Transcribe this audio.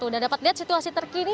dapat lihat situasi terkini